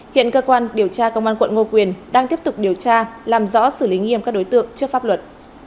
hiện cơ quan điều tra công an quận ngô quyền đang tiếp tục điều tra làm rõ xử lý nghiêm các đối tượng trước pháp luật